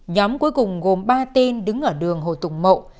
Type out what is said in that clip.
nhóm cuối cùng gồm ba tên đứng ở đường hồ tùng mậu